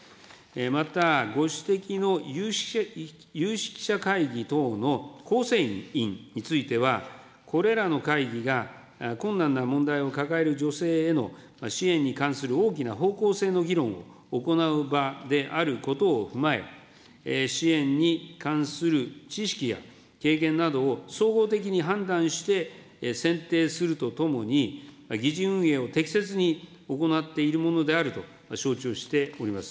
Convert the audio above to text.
また、ご指摘の有識者会議等の構成員については、これらの会議が、困難な問題を抱える女性への支援に関する大きな方向性の議論を行う場であることを踏まえ、支援に関する知識や経験などを総合的に判断して、選定するとともに、議事運営を適切に行っているものであると承知をしております。